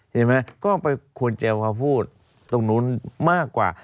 เห็นไหมก็เข้าใจกับพูดตรงนู้นมากกว่า